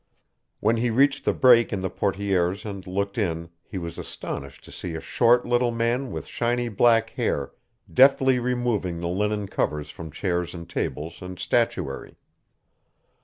When he reached the break in the portières and looked in he was astonished to see a short little man with shiny black hair deftly removing the linen covers from chairs and tables and statuary.